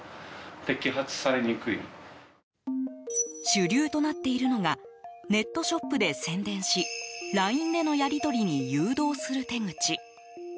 主流となっているのがネットショップで宣伝しＬＩＮＥでのやりとりに誘導する手口。